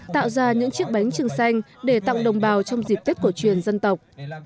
tạo ra những chiếc bánh trưng xanh để tặng đồng bào trong dịp tết cổ truyền dân tộc